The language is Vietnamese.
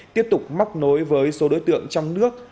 tiếp tục mắc nối với số đối tượng trong nước